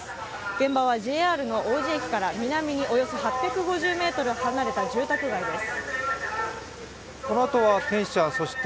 現場はＪＲの王子駅から南におよそ８５０ｍ離れた住宅街です。